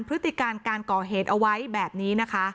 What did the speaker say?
พฤติการการก่อเหตุเอาไว้แบบนี้นะคะ